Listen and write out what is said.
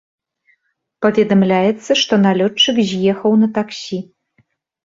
Паведамляецца, што налётчык з'ехаў на таксі.